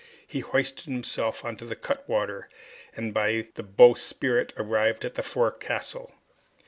He hoisted himself onto the cutwater, and by the bowsprit arrived at the forecastle.